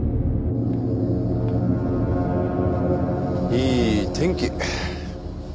いい天気。